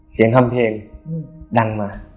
เสียงฮัมเพลงดังมา